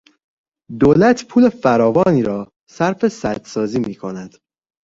دولت پول فراوانی را صرف سد سازی میکند.